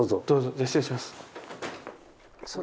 じゃあ失礼します。